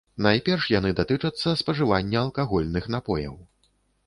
Найперш яны датычацца спажывання алкагольных напояў.